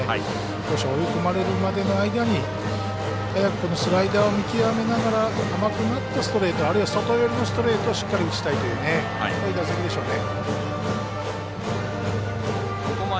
少し追い込まれるまでの間に早くスライダーを見極めながら甘くなったストレートあるいは外寄りのストレートをしっかり打ちたいというねそういう打席でしょうね。